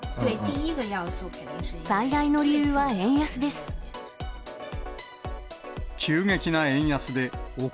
最大の理由は円安です。